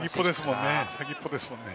先っぽですもんね。